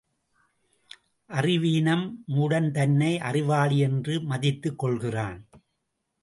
அறிவீனம் மூடன் தன்னை அறிவாளி என்று மதித்துக் கொள்கிறான்.